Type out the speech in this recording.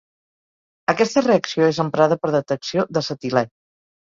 Aquesta reacció és emprada per detecció d'acetilè.